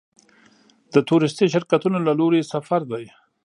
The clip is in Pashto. د تورېستي شرکتونو له لوري سفر دی.